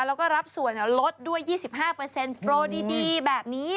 แล้วก็รับส่วนลดด้วย๒๕โปรดีแบบนี้